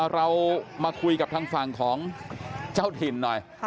เรามาคุยกับทางฝั่งของเจ้าถิ่นหน่อย